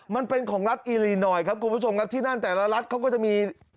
มันเป็นของรัฐอีรีหน่อยครับคุณผู้ชมครับที่นั่นแต่ละรัฐเขาก็จะมี